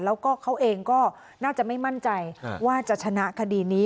แล้วก็เขาเองก็น่าจะไม่มั่นใจว่าจะชนะคดีนี้